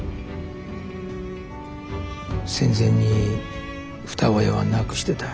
戦前に二親は亡くしてた。